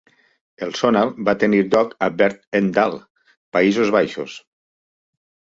El Zonal va tenir lloc a Berg en Dal, Països Baixos.